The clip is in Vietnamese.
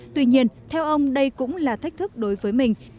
tuy nhiên theo ông đây cũng là thách thức đối với mình